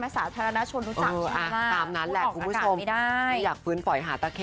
สาธารณชนรู้จัก